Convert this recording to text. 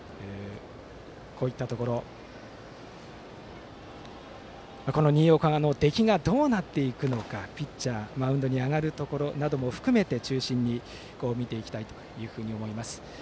こういったところ新岡の出来がどうなっていくのかピッチャー、マウンドに上がるところなども含め中心に見ていきたいと思います。